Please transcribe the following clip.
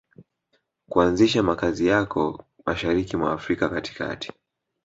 kuanzisha makazi yako Mashariki mwa Afrika katikati